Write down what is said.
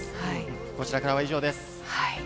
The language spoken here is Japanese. こちらからは以上です。